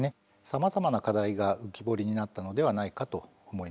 さまざまな課題が浮き彫りになったのではないかと思います。